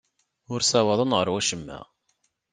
Ur ssawaḍen ɣer wacemma.